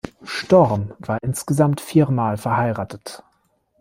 Storm war insgesamt viermal verheiratet.